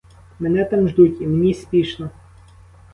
Мене там ждуть, і мені спішно.